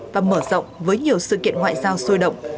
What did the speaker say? và mở rộng với nhiều sự kiện ngoại giao sôi động